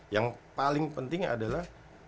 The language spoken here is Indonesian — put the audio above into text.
yang paling pentingnya adalah